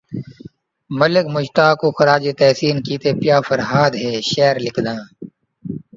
ملک مشتاق کوں خراج تحسین کیتے پیا فرھاد ہے شعر لکھندا